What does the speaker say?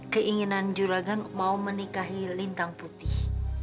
keinginan juragan mau menikahi lintang putih